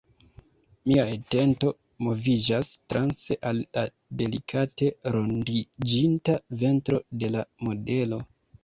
Mia atento moviĝas transe al la delikate rondiĝinta ventro de la modelo.